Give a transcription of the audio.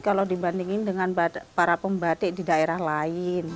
kalau dibandingin dengan para pembatik di daerah lain